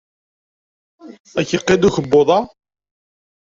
Ad k-iqidd ukebbuḍ-a.